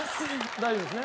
大丈夫ですね？